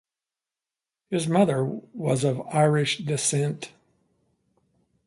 His mother was of Irish descent.